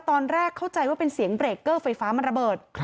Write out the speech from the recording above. ตอนแรกเข้าใจว่าเป็นเสียงเบรกเกอร์ไฟฟ้ามันระเบิด